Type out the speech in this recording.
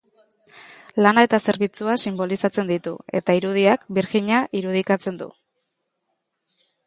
Lana eta zerbitzua sinbolizatzen ditu eta irudiak birjina irudikatzen du.